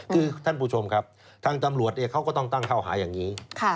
คือท่านผู้ชมครับทางตำรวจเขาก็ต้องตั้งเข้าหาอย่างนี้